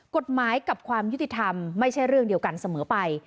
กฎหมายกับความยุติธรรมไม่ใช่เรื่องเดียวกันเสมอไป